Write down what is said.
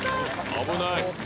危ない！